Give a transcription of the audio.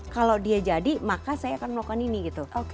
kalau dia jadi maka saya akan melakukan ini gitu